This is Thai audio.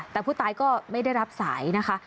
แต่ผู้ตายก็ไม่ได้รับสายนะคะ